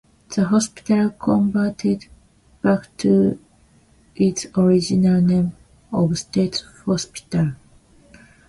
The hospital converted back to its original name of State Hospital.